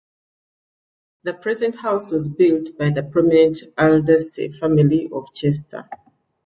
The present house was built by the prominent Aldersey family of Chester.